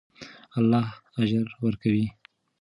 الله اجر ورکوي.